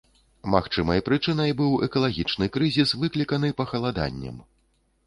Магчымай прычынай быў экалагічны крызіс, выкліканы пахаладаннем.